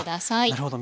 なるほど。